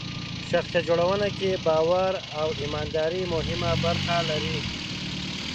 په شخصیت جوړونه کې باور او ایمانداري مهمه برخه لري.